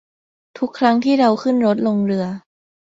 ทุกครั้งที่เราขึ้นรถลงเรือ